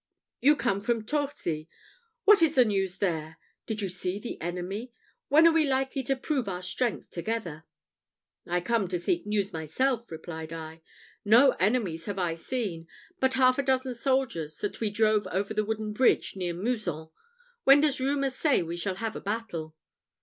You come from Torcy. What is the news there? Did you see the enemy? When are we likely to prove our strength together?" "I come to seek news myself," replied I. "No enemies have I seen, but half a dozen soldiers, that we drove over the wooden bridge near Mouzon. When does rumour say we shall have a battle?"